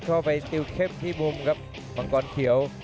เข้าไปสติลเข้มที่มุมครับมังกรเขียว